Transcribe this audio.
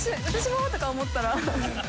私も！とか思ったら。